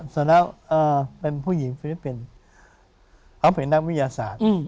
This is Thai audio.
เสร็จแล้วเป็นผู้หญิงฟิลิปปินส์เขาเป็นนักวิทยาศาสตร์